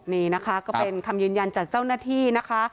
นี่นะคะก็เป็นคำยืนยันจากเจ้าหน้าที่นะคะ